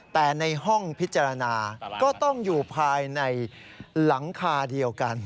แต่ในห้องพิจารณาก็ต้องอยู่ภายในหลังคาเดียวกัน